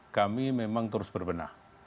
kami memang terus berbenah